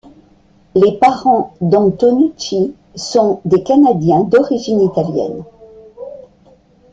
Les parents d'Antonucci sont des canadiens d'origines italiennes.